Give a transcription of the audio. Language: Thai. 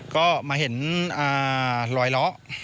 ก็มาเห็นรอยล้อ